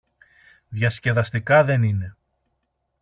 Διασκεδαστικά δεν είναι.